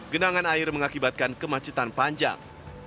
genangan air mengakibatkan kemacetan panjang